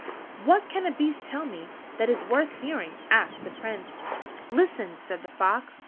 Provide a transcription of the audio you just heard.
"What can a beast tell me that is worth hearing?" asked the Prince. "Listen!" said the fox.